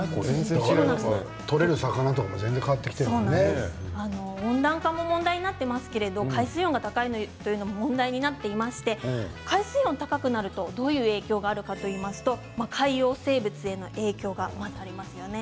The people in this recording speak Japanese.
取れる魚とかも温暖化も問題になっていますけれども海水温が高いのも問題になっていまして、海水温が高くなるとどういう影響があるかといいますと海洋生物への影響がまずありますよね。